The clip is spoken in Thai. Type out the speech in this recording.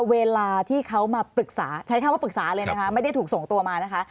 เวลาที่เขามาปรึกษาใช้คำว่าปรึกษาเลยนะคะไม่ได้ถูกส่งตัวมานะคะ